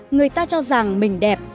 người ta cho rằng mình đẹp